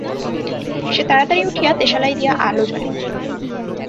সে তাড়াতাড়ি উঠিয়া দেশালাই দিয়া আলো জ্বালিল।